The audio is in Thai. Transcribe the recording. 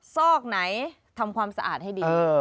ซอกไหนทำความสะอาดให้ดี